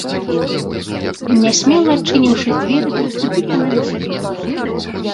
Нясмела адчыніўшы дзверы, пераступілі яны высокі парог.